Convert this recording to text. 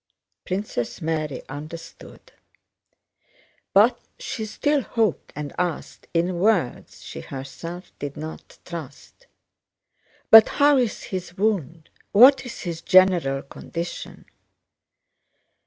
Princess Mary understood. But she still hoped, and asked, in words she herself did not trust: "But how is his wound? What is his general condition?"